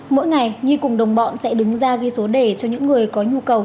mỗi ngày nhi cùng đồng bọn sẽ đứng ra ghi số đề cho những người có nhu cầu